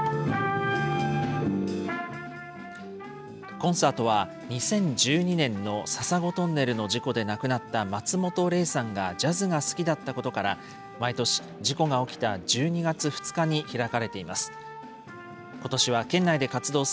コンサートは２０１２年の笹子トンネルの事故で亡くなった松本玲さんがジャズが好きだったことから、毎年、事故が起きた１２月２日に開かれています。